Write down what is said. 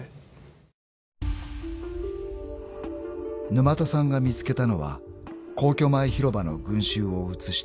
［沼田さんが見つけたのは皇居前広場の群衆を写したパノラマ写真］